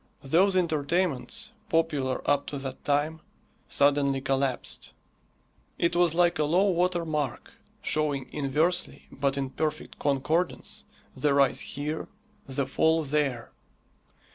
Those entertainments, popular up to that time, suddenly collapsed. It was like a low water mark, showing inversely, but in perfect concordance, the rise here, the fall there.